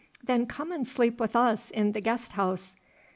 "Then come and sleep with us in the guest house."